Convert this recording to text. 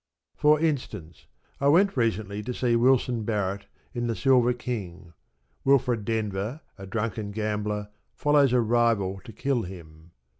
For instance, I went recently to see Wilson Barrett in The Silver King. Wilfred Denver, a drunken gambler, follows a rival to kill him.